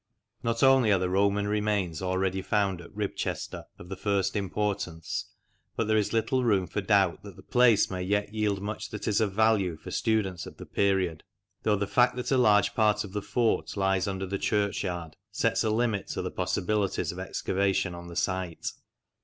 Not only are the Roman remains already found at Ribchester of the first importance, but there is little room for doubt that the place may yet yield much that is of value for students of the period, though the fact that a large part of the fort lies under the churchyard sets a limit to the possibilities of excavation on the site.